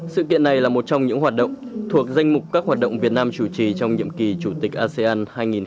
sự kiện này là một trong những hoạt động thuộc danh mục các hoạt động việt nam chủ trì trong nhiệm kỳ chủ tịch asean hai nghìn hai mươi